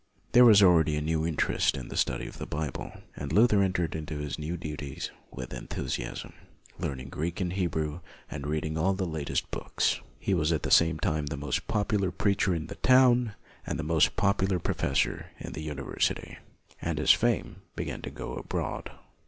There was already a new interest in the study of the Bible, and Luther entered into his new duties with enthusiasm, learning Greek and Hebrew, and reading all the latest books. He was at the same time the most popular preacher in the town, and the most popular professor in the uni versity; and his fame began to go abroad.